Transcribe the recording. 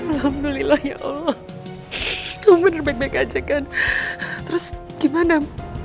alhamdulillah ya allah kau benar baik baik aja kan terus gimana